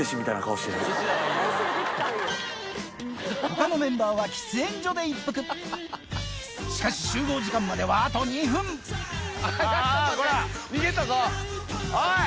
他のメンバーは喫煙所で一服しかし集合時間まではあと２分おい！